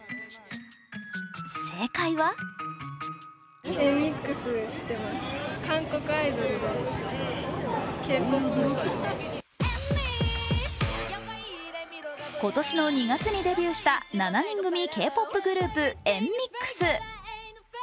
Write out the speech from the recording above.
正解は今年の２月にデビューした７人組Ｋ−ＰＯＰグループ・ＮＭＩＸＸ。